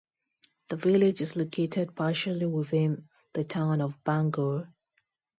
The village is located partially within the Town of Bangor.